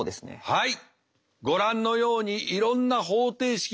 はい。